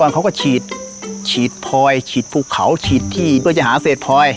เขาก็ฉีดฉีดพลอยฉีดภูเขาฉีดที่เพื่อจะหาเศษพลอย